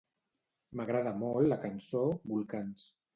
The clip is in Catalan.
M'agrada molt la cançó "Volcans".